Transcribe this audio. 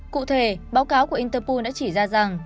cụ thể báo cáo của interpol đã chỉ ra rằng